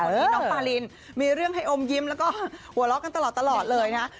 วันนี้น้องปารินมีเรื่องให้อมยิ้มแล้วก็หัวเราะกันตลอดเลยนะ